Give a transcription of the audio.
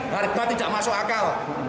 harga tidak masuk akal